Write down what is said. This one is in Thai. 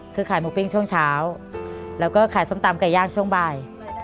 คือขายหมูปิ้งช่วงเช้าแล้วก็ขายส้มตำไก่ย่างช่วงบ่าย